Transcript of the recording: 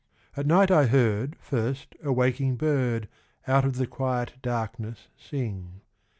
At night I heard First a waking bird Out of the quiet darkness sing....